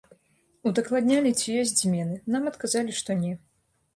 Удакладнялі, ці ёсць змены, нам адказалі, што не.